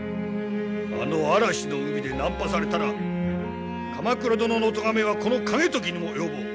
あの嵐の海で難破されたら鎌倉殿のお咎めはこの景時にも及ぼう。